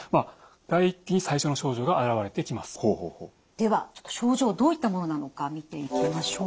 では症状どういったものなのか見ていきましょう。